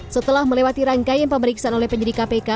setelah melewati rangkaian pemeriksaan oleh penyidik kpk